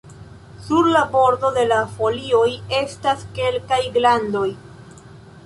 Sur la bordo de la folioj estas kelkaj glandoj.